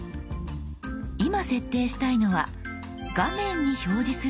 今設定したいのは「画面に表示する文字の大きさ」。